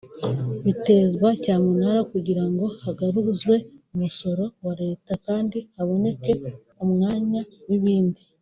bitezwa cyamunara kugira ngo hagaruzwe umusoro wa Leta kandi haboneke umwanya w’ibindi